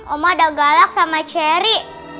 oma ada galak sama cherry